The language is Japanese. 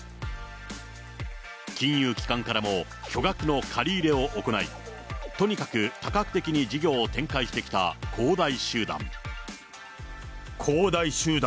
金融機関からも巨額の借り入れを行い、とにかく多角的に事業を展開してきた恒大集団。